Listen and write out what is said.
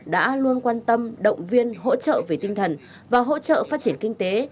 đã luôn quan tâm động viên hỗ trợ về tinh thần và hỗ trợ phát triển kinh tế